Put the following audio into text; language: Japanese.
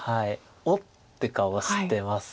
「おっ！」って顔してます。